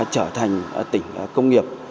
trở thành tỉnh công nghiệp